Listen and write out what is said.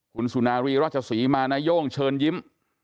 คุณสุนารีราชศรีมานาย่งเชิญยิ้ม